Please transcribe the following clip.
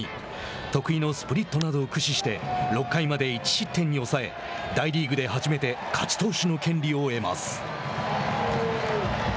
得意のスプリットなどを駆使して６回まで１失点に抑え大リーグで初めて勝ち投手の権利を得ます。